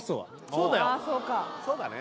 そうだね